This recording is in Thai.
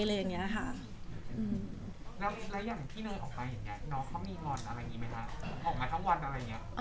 แล้วอย่างพี่น้อยออกมาอย่างนี้น้องเขามีงอนอะไรอย่างนี้ไหมคะ